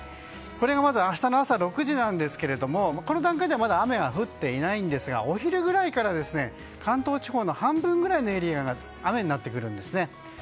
こちら明日の朝６時なんですがこの段階では雨が降っていませんがお昼ぐらいから、関東地方の半分ぐらいのエリアが雨になってくるんですね。